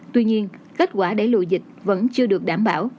tuy nhiên kết quả để lùi dịch vẫn chưa được đảm bảo